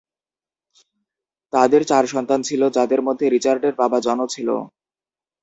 তাদের চার সন্তান ছিল, যাদের মধ্যে রিচার্ডের বাবা জনও ছিল।